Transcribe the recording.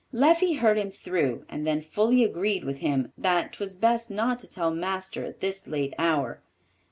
Leffie heard him through, and then fully agreed with him that 'twas best not to tell marster at this late hour.